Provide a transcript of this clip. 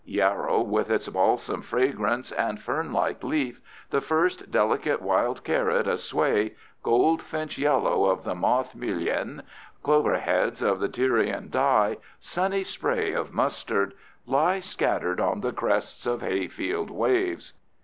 Yarrow with its balsam fragrance and fernlike leaf, the first delicate wild carrot asway, goldfinch yellow of the moth mullein, cloverheads of the Tyrian dye, sunny spray of mustard, lie scattered on the crests of hayfield waves.